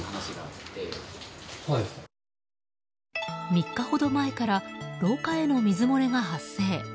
３日ほど前から廊下への水漏れが発生。